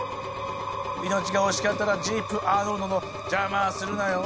命が惜しかったらジープ・アーノルドの邪魔はするなよ。